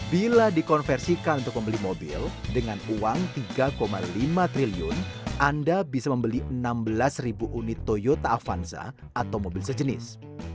bila dikonversikan untuk membeli mobil dengan uang tiga lima triliun anda bisa membeli enam belas ribu unit toyota avanza atau mobil sejenis